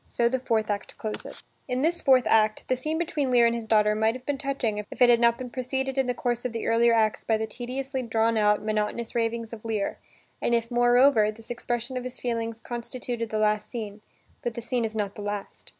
So the fourth act closes. In this fourth act, the scene between Lear and his daughter might have been touching if it had not been preceded in the course of the earlier acts by the tediously drawn out, monotonous ravings of Lear, and if, moreover, this expression of his feelings constituted the last scene. But the scene is not the last.